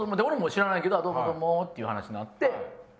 俺も知らないけどどうもどうもっていう話になって。